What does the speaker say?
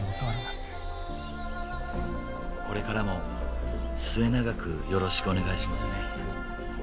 これからも末永くよろしくお願いしますね。